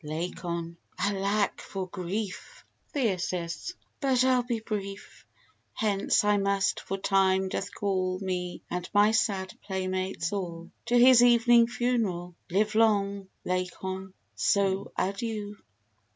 LACON Alack, for grief! THYR. But I'll be brief. Hence I must, for time doth call Me, and my sad playmates all, To his evening funeral. Live long, Lacon; so adieu!